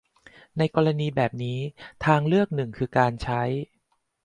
ในกรณีแบบนี้ทางเลือกหนึ่งคือการใช้